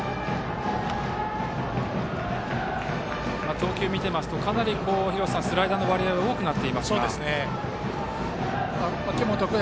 投球を見ていますと、かなりスライダーの割合が多くなっています。